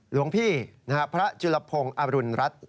หลวงพี่พระจุลพงศ์อรุณรัฐ